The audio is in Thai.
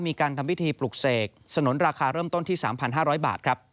มีการทำพิธีปลุกเสกสนุนราคาเริ่มต้นที่๓๕๐๐บาทครับ